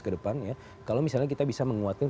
ke depannya kalau misalnya kita bisa menguatkan